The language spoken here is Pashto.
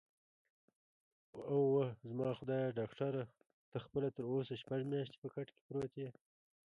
اووه، زما خدایه، ډاکټره ته خپله تراوسه شپږ میاشتې په کټ کې پروت یې؟